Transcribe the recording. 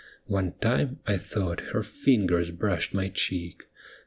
One time I thought her fingers brushed my cheek.